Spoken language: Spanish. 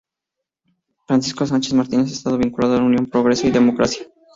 Francisco Sánchez Martínez ha estado vinculado a Unión Progreso y Democracia.